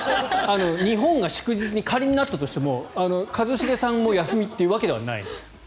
日本が祝日に仮になったとしても一茂さんも休みというわけではないです。